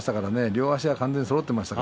両足が完全にそろっていました。